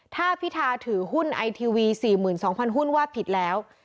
ถ้าพิธาถือหุ้นไอทีวี๔๒๐๐หุ้นว่าผิดแล้ว